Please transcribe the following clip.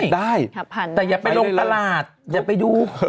ได้แต่อย่าไปลงตลาดอย่าไปดู